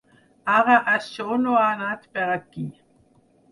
Ara, això no ha anat per aquí.